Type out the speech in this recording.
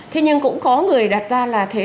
thế nhưng cũng có người đặt ra là thế